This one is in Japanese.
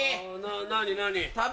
何何？